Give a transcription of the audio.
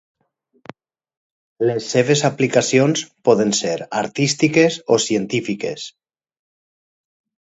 Les seves aplicacions poden ser artístiques o científiques.